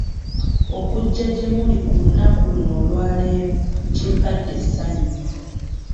Okujja gye muli ku lunaku luno olwaleero kimpadde essanyu.